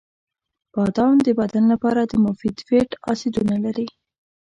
• بادام د بدن لپاره د مفید فیټ اسیدونه لري.